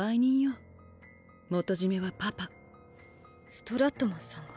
ストラットマンさんが？